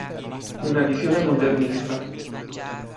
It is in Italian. Una visione modernista.